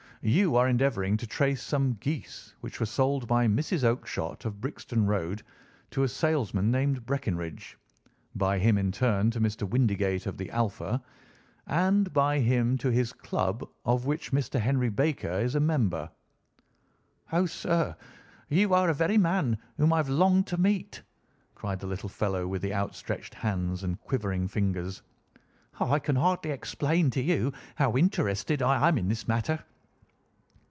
You are endeavouring to trace some geese which were sold by Mrs. Oakshott, of Brixton Road, to a salesman named Breckinridge, by him in turn to Mr. Windigate, of the Alpha, and by him to his club, of which Mr. Henry Baker is a member." "Oh, sir, you are the very man whom I have longed to meet," cried the little fellow with outstretched hands and quivering fingers. "I can hardly explain to you how interested I am in this matter."